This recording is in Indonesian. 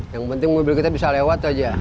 yang penting mobil kita bisa lewat aja